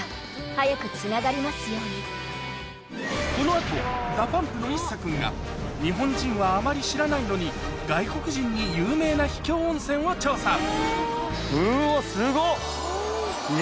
この後ＤＡＰＵＭＰのＩＳＳＡ君が日本人はあまり知らないのに外国人に有名な秘境温泉を調査うわ